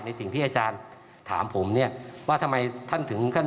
สิ่งที่อาจารย์ถามผมเนี่ยว่าทำไมท่านถึงขั้น